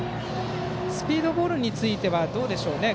スピードボールについてはどうでしょう。